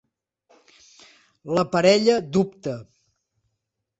La parella dubta.